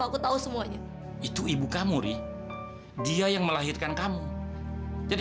kita bekerja sama suami